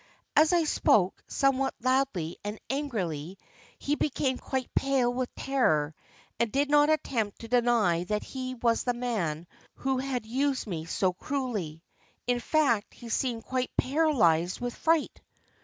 As I spoke somewhat loudly and angrily, he became quite pale with terror, and did not attempt to deny that he was the man who had used me so cruelly; in fact he seemed quite paralysed with fright.